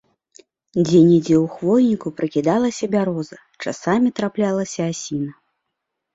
Дзе-нідзе ў хвойніку пракідалася бяроза, часамі траплялася асіна.